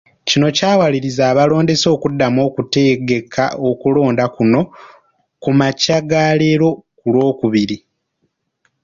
Kino kyawaliriza abalondesa okuddamu okutegeka okulonda kuno ku makya ga leero ku Lwokubiri.